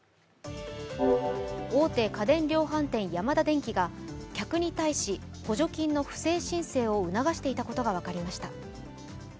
大手家電量販店ヤマダデンキが客に対し、補助金の不正申請を促していたことが分かりました。